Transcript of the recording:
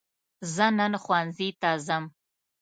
زه نن ښوونځي ته ځم